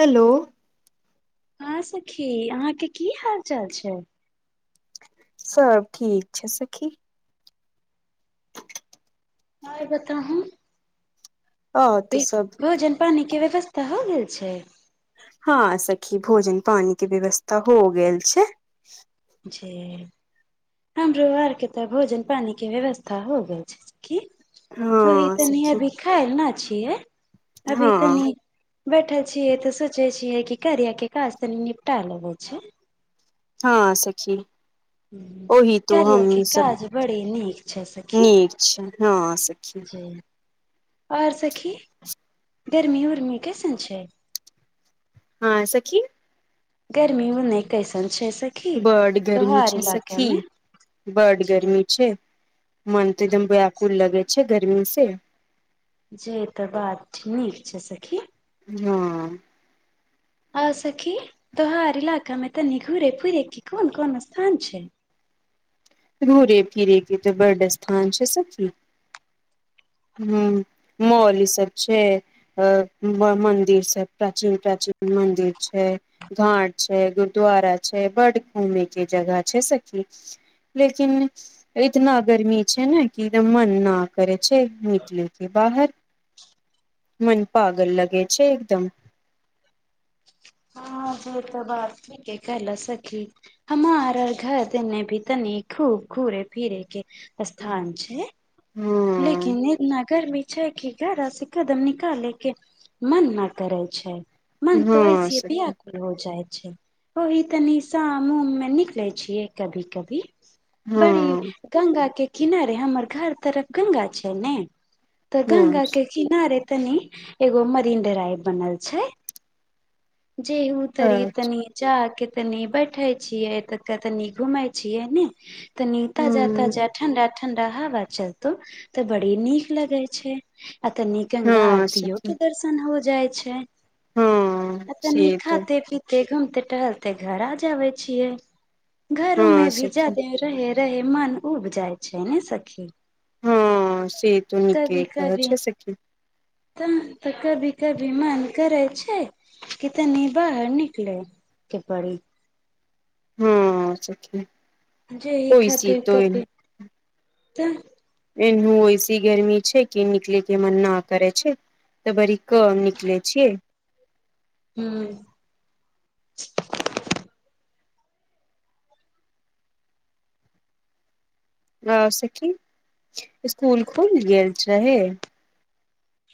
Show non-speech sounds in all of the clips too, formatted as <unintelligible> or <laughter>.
Hello हँ सखी अहाँके की हाल चाल छै सब ठीक छै सखी आ बताहू आ तऽ भ सब भोजन पानी के व्यवस्था हो गेल छै हँ सखी भोजन पानी के व्यवस्था हो गेल छै छै हमरो आर के तऽ भोजन पानी के व्यवस्था हो गेल छै सखी ओही हँ तनी सखी अभी खायल न छियै अभी हँ तनी बैठल छियै तऽ सोचे छियै कि कारिया के काज तनि निपटा लगे छै हँ सखी हूँ, ओहि तो कार्या हम के सब काज बड़ी नीक छै सखी निक छियै ह सखी जी आओर सखी गर्मी उर्मि कैसन छै हँ सखी गर्मी उर्मि कैसन छै सखी बड गर्मी तोहार छै इलाका सखी मे बड जी गर्मी छै मन तऽ जी एकदम ब्याकुल लगै छै गर्मी से ज तऽ बात नीक छै सखी हँ हँ सखी तोहार इलाका मे तनी घुरे फुरे की कोन कोन स्थान छै घुरे फीरे क त बड स्थान छै सखी ह मॉल ई सब छै अ मन्दिर सब प्राचीन प्राचीन मन्दिर छै घाट छै गुरुद्वारा छै बड घूम के जगह छै सखी लेकिन इतना गर्मी छै ने किदम मन न करै छै निकले के बाहर मन पागल लगे छै एकदम ह सेतऽ बात ठीके कहलौ सखी हमरा घर तने भी तनी खूब घूरे फीरे के हँ स्थान छै लेकिन इतना गर्मी छै कि घर से कदम निकालेके मन न करै छै मन हँ तऽ होइसे पिया सखी हो जाइ छै ओहि त निशा मुह मे निकले छियै कभी कभी हँ बड़ी गंगा के किनारे हमर घर तरफ गंगा छै ने तऽ हँ गङंगा के किनारे तनि एगो मरीन ड्राइव बनल छै जे त अच्छा तनी जाक तनी बैठे छियै त तनी घूमै छियै ने तनी ताजा हँ ताजा ठडां ठन्डा सभा चलतै तऽ बड़ी नीक लगे छै आ तनी हँ गंगा आरती यो सखी के दर्शन तन हो जाइ छै हँ आ तनी से तो खाते पीे के घुमते टहलते घर आ जावे छियै घरो में हँ भी सखी जाद रहे रहे मन उब जाय छै न सखी से त नीके कभी कहै कभी छै सखी तऽ तऽ कभी कभी मन करै छै कि तनी बाहर निकलै के पड़ी हँ सखी जे ह खातिर कभी तऽ एन ऐसी गरमी छै कि निकल के मन न करै छै तऽ बड़ कऽ निकले छीयै हू अ सखी स्कुल खुल गेल छ हे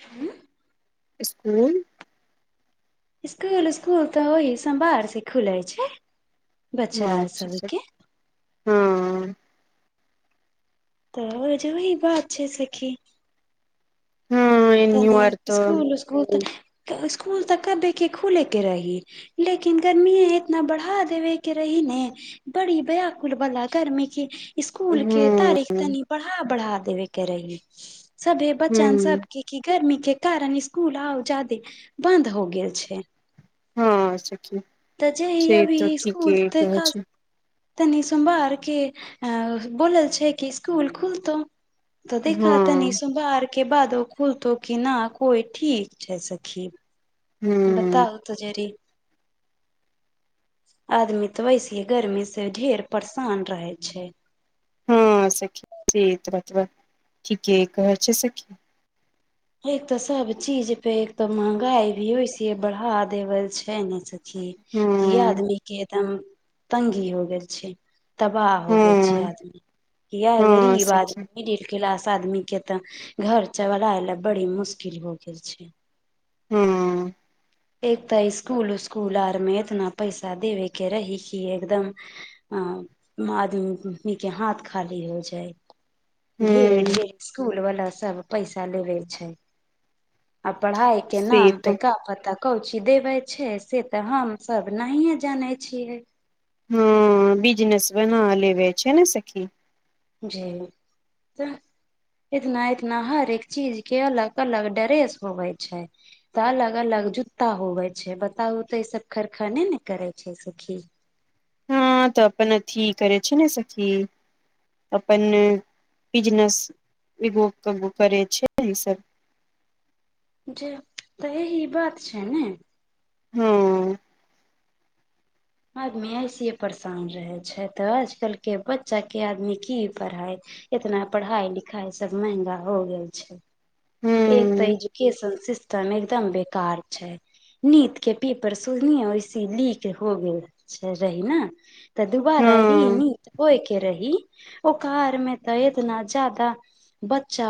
हँ स्कूल स्कुल स्कुल तऽ ओहि सोमवार से खुले छै बच्चा ह आर अच्छा सबके हँ तऽ जु वही बात छै सखी हँ एन्यू आर तनी तऽ स्कुल स्कुल त स्कूल तऽ कभे के खुले के रही लेकिन गर्मी इतना बढ़ा देबै के रही ने बड़ी ब्याकुल बला गर्मी के स्कूल के हूँ तारीख तनि बढ़ा बढ़ा देबे के रहि सभे हूँ बच्चन सब की की गर्मी के कारण स्कूल आब ज्यादे बंद हो गेल छै हँ सखी तऽ जेहि से अभी तऽ ठीके स्कूल तऽ कहै खास छै तनी सोमवारके अ बोलल छै कि स्कुल खुलतौ तऽ हँ देखा तनी सोमआर के बाद ओ खुलतो कि न कोइ ठीक छै सखी हूँ बताउ त जरी आदमी तऽ वैसेे गर्मी से ढेर परेशान रहे छै हँ सखी से त बतबा ठीके कहै छै सखी एक त सब चीज पे एक तो महंगाई भी हो छै बढ़ा देवल छै ने सखी की हूँ आदमी के एकदम तंगी हो गेल छै तबाह हो गेल छै हँ आदमी इएह हँ गरीब सखी आदमी क्लास आदमी के ते घर चबलाय ले बड़ी मुश्किल हो गेल छै हूंम्म एक तऽ स्कूल उस्कुल आर मे इतना पैसा देवे के रही की एकदम अ मादमी के हाथ खाली हो जाइ ढ़ेर हँ ढेर इसकुल वाला सब पैसा लेबे छै आ पढ़ाइ के से नाम पर तऽ का पता कौ चीज देबै छै से तऽ हमसभ नहिए जानै छियै हँ बिजनेस बना लेबे छै ने सखी जी तऽ इतना इतना हरेक चीज के अलग अलग ड्रेस होवै छै तऽ अलग अलग जूता होवे छै बताउ तऽ ई सब खरखने ने करे छै सखी हँ तऽ अपन अथी करै छै ने सखी अपन बिजनेसो करै छै ई सब जेब तऽ एहिह बात छै ने हँ आदमी ऐसे परेशान रहे छै तऽ आजकल के बच्चा के आदमी की पढ़ाय इतना पढ़ाइ लिखाइ सब महंगा हो गेल छै हँ एक तऽ एजुकेशन सिस्टम एकदम बेकार छै नीट के पेपर सुरनीय ओहिसे लीक हो गेल छ रही ने तऽ दुबारा री हँ नीट होयके रही ओ कार मे तऽ इतना ज्यादा बच्चा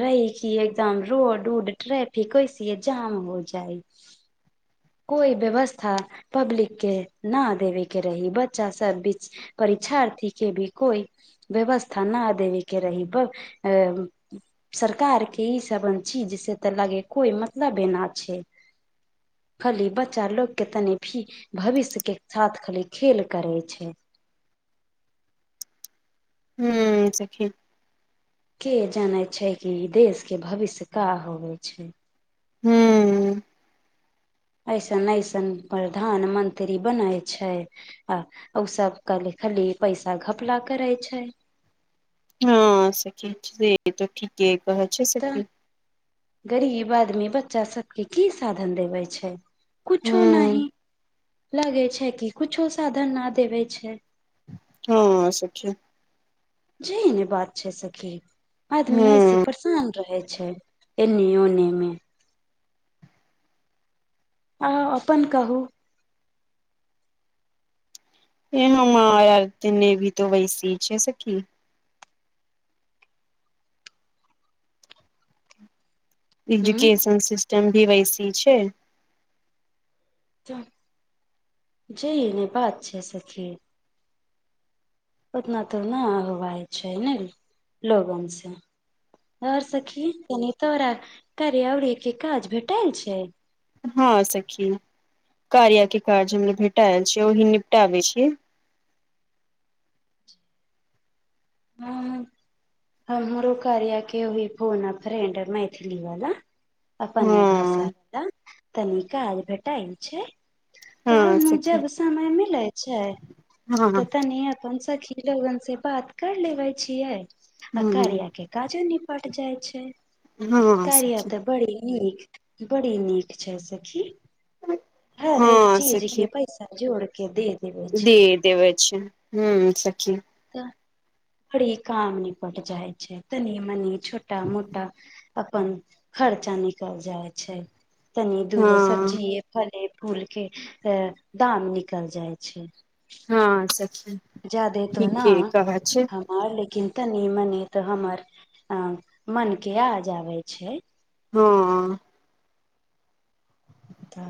रहि क एकदम रोड उड ट्रेफिक ऐसे जाम हो जाइ कोइ व्यवस्था पब्लिक के ना देवे के रही बच्चा सब बीच परीक्षार्थी के भी कोइ व्यवस्था न देवे के रहि बस अ सरकार के ईसभन चीज से तऽ लागे कोइ मतलब एना छै खाली बच्चा लोकग के तनि भी भविष्य के साथ खाली खेल करे छै हूँ सखी के जाने छै कि देश के भविष्य का होवे छै हूंम्म ऐसन ऐसन प्रधानमंत्री बनै छै आ उ सब कलि, खाली पैसा घपला करै छै। हँ सखी से त ठीके कहै छै तऽ सखी गरीब आदमी बच्चा सबके की साधन देवे छै कुछो नी हँ लगे छै कि कुछो साधन न देवे छै हँ सखी जी नहि, बात छै सखी। आदमी एहीसँ हँ परेशान रहे छै एने ओने मे आ अपन कहू एनू मा हमर तऽ वैसी छै सखी हूँ एजुकेशन सिस्टम भी ओइसी छै त जे इ नै बात छै सखी ओतना तो ना होवइ छै ने लोगन से आर सखी, तोरा करी आओरी के काज भेटल छै? हँ सखी कार्य के काज मे भटाइल छियै ओहि निपटाबे छियै हँ हँ मर करियाके हइ फोन फ्रेड मैथिली वला हँ अपने भाषा तनी काज भेटाइल छै तऽ हँ हम सखी जब समय मिलै छै हँ तऽ तनी अपन सखी लोगसँ बात कऽ लेबै छियै आ हँ कार्य के काज निपट जाइ छै हँ कारिया सखी तऽ बड़ी नीक बड़ी नीक छै सखी हर एक हँ चीज सखी के पैसा जोड़के देत दे देबै छै ह सखी तऽ बड़ी काम निपट जाइ छै तनी मनी छोटा मोटा अपन खर्चा निकल जाय छै तनि हँ दूगो सब्जी फल-फूलक दाम निकलि जाइ छै। हँ सखी जादे तो न ठीके कहे छै लेकिन तनि मनी तो हमर मन के आज आबे छै हँ त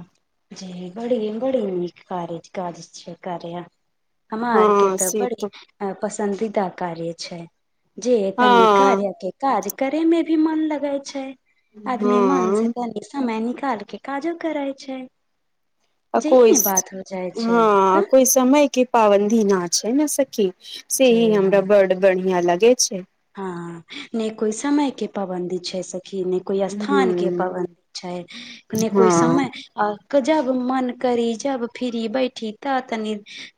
जी बड़ी बड़ी नीक कार्य से कार्या हमरा हँ आरके तऽ से बड़ी पसन्दीदा कार्य छै जे तनी हँ कार्य के काज करे में भी मन लगे छै आदमी मन हँ से तनी समय निकाल के काजो करै छै आ जेहन बात भऽ जाइ छै तऽ समयक पाबन्दी नहि छै ने, सखी। जे सेहे हमरा हँ बड़ बढ़िया लागै छै। हँ नई कोइ समय के पाबन्दी छै सखी नई कोइ स्थान के ह पाबनि छै नई कोइ समय हँ आ जब मन करी जब फिरी बैठी तऽ तनी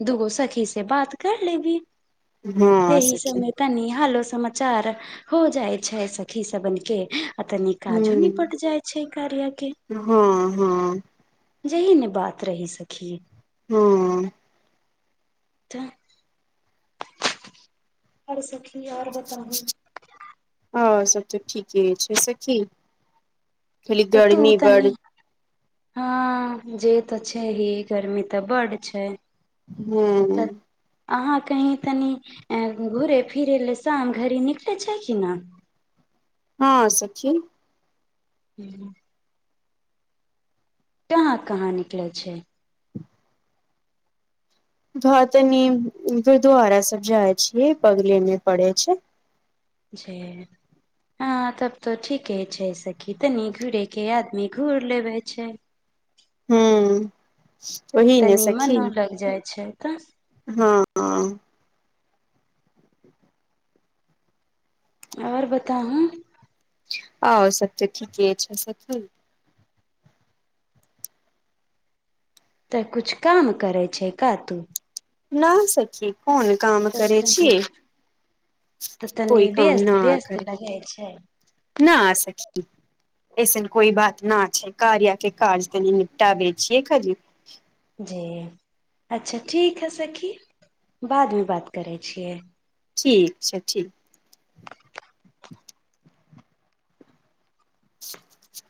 दूगो सखी से बात कर लेबी हँ एहि सखी सम तनि हालो समाचार भऽ जाइ छै सखी सभके, आ तनि काजो ह निपट जाइ छै कार्य के हँ हँ जेहन बात रहि, सखी। हँ और सखी और बताउ और सब तऽ ठीके छै सखी खाली तु गर्मी तनी बड हँ जे तऽ छै हे गर्मी तऽ बड छै हू तऽ अहाँ कहू, तनी घुमै-फिरै लेल शामक घड़ी निकलै छी कि नहि? हँ सखी <inaudible> कहाँ कहाँ निकले छै तनी गुरुद्वारा सभ जाइ छियै, बगलमे पड़ल छै। जे हँ, तऽ ठीक छै सखी। तनी घूरे के आदमी घूरि लेवे छै। हू ओहि तऽ ने नीमन सखी न लग जाइ छै त हँ और बताउू हु और सब तऽ ठीके छै सखी तऽ किछु काम करै छै कतौ? न सखी कोन काम करै छी तऽ तनी व्यस्त व्यस्त करे लगै छै ना सखी ऐसन कोइ बात ना छै, कार्या के काज तनी निपटाबै छियै, खाजि जी अच्छा, ठीक हय सखी। बादमे बात करै छियै। ठीक छै ठीक <unintelligible>